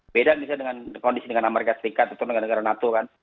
beda misalnya dengan kondisi dengan amerika serikat atau negara nato kan